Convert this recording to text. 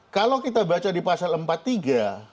kalau kita baca di perang